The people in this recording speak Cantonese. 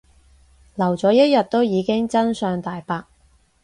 留咗一日都已經真相大白